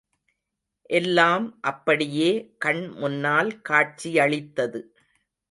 எல்லாம் அப்படியே கண் முன்னால் காட்சியளித்தது.